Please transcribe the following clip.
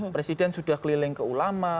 presiden sudah keliling ke ulama